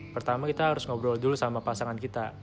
pertama kita harus ngobrol dulu sama pasangan kita